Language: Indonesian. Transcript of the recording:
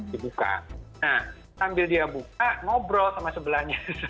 dibuka nah sambil dia buka ngobrol sama sebelahnya